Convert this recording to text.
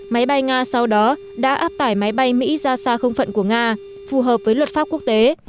máy bay nga sau đó đã áp tải máy bay mỹ ra xa không phận của nga phù hợp với luật pháp quốc tế